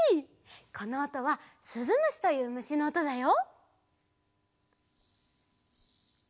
このおとはすずむしというむしのおとだよ。